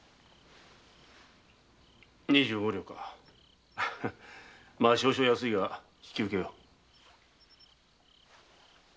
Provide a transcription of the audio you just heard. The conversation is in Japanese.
二十五両か少々安いが引き受けよう。